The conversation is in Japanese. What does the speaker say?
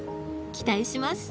期待します。